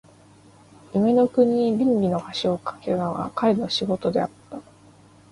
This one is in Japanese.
夢の国に論理の橋を架けたのが彼の仕事であった。